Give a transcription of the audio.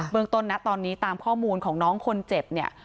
เบื้องตนตอนนี้ตามข้อมูลของน้องคนเจ็บ